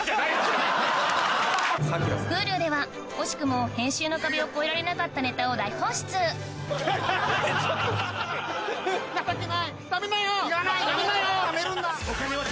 Ｈｕｌｕでは惜しくも編集の壁を越えられなかったネタを大放出情けない食べなよ！